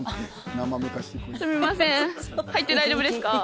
すみません入って大丈夫ですか？